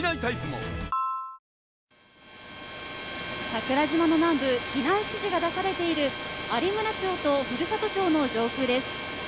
桜島の南部避難指示が出されている有村町と古里町の上空です。